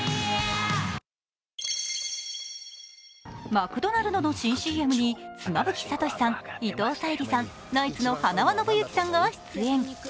マクドナルドの新ＣＭに妻夫木聡さん、伊藤沙莉さん、ナイツの塙宣之さんが出演。